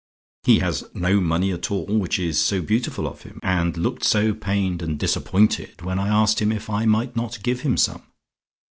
He has no money at all which is so beautiful of him, and looked so pained and disappointed when I asked him if I might not give him some.